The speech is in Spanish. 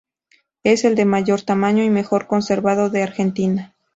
Es el de mayor tamaño y mejor conservado de la Argentina.